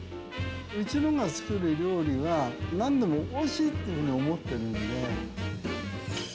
うちのが作る料理は、なんでもおいしいっていうふうに思ってるんで。